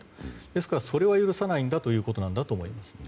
ですからそれは許さないということなんだと思います。